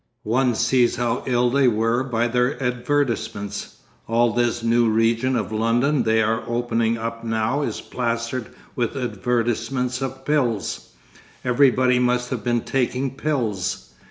One sees how ill they were by their advertisements. All this new region of London they are opening up now is plastered with advertisements of pills. Everybody must have been taking pills.